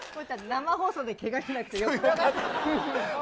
生放送でけがしなくてよかったね。